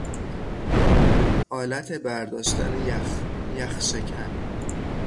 آلت برداشتن یخ، یخ شکن